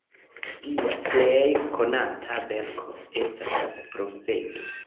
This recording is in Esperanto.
Lia plej konata verko estas "La profeto".